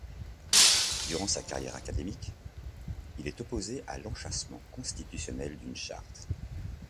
Durant sa carrière académique, il est opposé à l’enchâssement constitutionnel d'une charte.